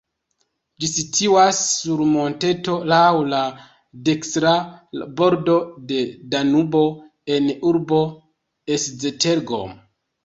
Ĝi situas sur monteto laŭ la dekstra bordo de Danubo en urbo Esztergom.